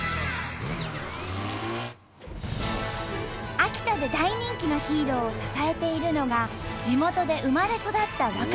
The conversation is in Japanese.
秋田で大人気のヒーローを支えているのが地元で生まれ育った若者たち。